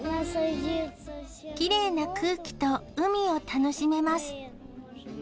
きれいな空気と海を楽しめます。